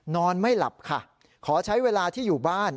นอนไม่หลับค่ะขอใช้เวลาที่อยู่บ้าน